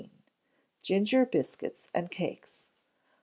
Ginger Biscuits and Cakes.